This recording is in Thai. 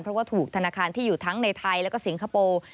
เพราะว่าถูกธนาคารที่อยู่ทั้งในไทยแล้วก็สิงคโปร์